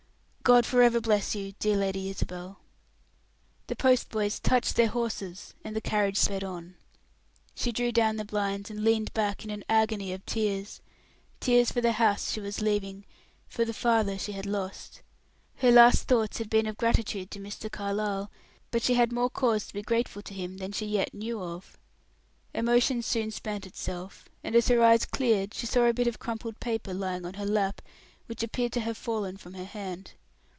God forever bless you, dear Lady Isabel!" The postboys touched their horses, and the carriage sped on. She drew down the blinds and leaned back in an agony of tears tears for the house she was leaving, for the father she had lost. Her last thoughts had been of gratitude to Mr. Carlyle: but she had more cause to be grateful to him than she yet knew of. Emotion soon spent itself, and, as her eyes cleared, she saw a bit of crumpled paper lying on her lap, which appeared to have fallen from her hand.